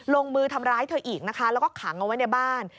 ลงมือทำร้ายเธออีกนะคะแล้วก็ขังเอาไว้ในบ้าน